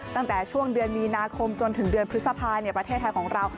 ตั้งแต่ช่วงเดือนมีนาคมจนถึงเดือนพฤษภาประเทศไทยของเรา